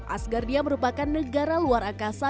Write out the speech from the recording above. asgardia merupakan negara luar angkasa